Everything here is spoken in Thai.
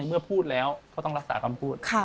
เมื่อพูดแล้วก็ต้องรักษาคำพูด